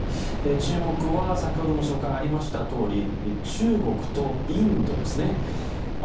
中国は先ほども紹介がありましたとおり中国とインドですね。